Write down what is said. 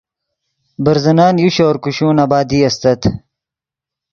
برزنن یو شور کوشون آبادی استت